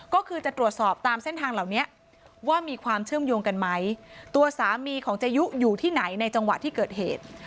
ก็คือจะตรวจสอบตามเส้นทางเหล่านี้ว่ามีความเชื่อมโยงกันไหมตัวสามีของเจยุอยู่ที่ไหนในจังหวะที่เกิดเหตุ